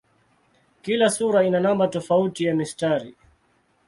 Kila sura ina namba tofauti ya mistari.